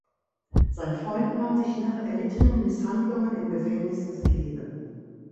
Sein Freund nahm sich nach erlittenen Misshandlungen im Gefängnis das Leben.